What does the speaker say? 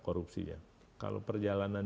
korupsinya kalau perjalanan